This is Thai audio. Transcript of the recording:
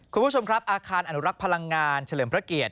คุณผู้ชมครับอาคารอนุรักษ์พลังงานเฉลิมพระเกียรติ